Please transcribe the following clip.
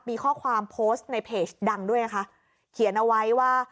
มีข้อความโพสต์ในเพจดังด้วยนะคะเขียนเอาไว้ว่า